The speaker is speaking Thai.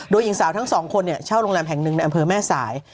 โดยหญิงสาวทั้งสองคนเช่าโรงแรมแห่งหนึ่งในอำเภอแม่สาย